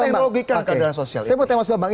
teknologikan keadilan sosial itu